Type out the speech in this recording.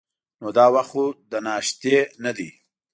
نو دا وخت خو د ناشتا نه دی.